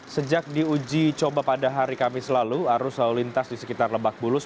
sejak diuji coba pada hari kamis lalu arus lalu lintas di sekitar lebak bulus